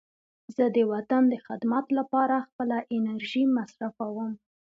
زه د وطن د خدمت لپاره خپله انرژي مصرفوم.